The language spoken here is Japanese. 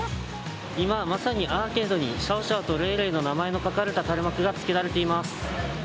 今、まさにアーケードにシャオシャオとレイレイの名前が書かれた垂れ幕がつけられています。